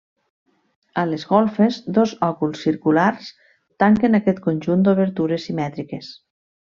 A les golfes, dos òculs circulars tanquen aquest conjunt d'obertures simètriques.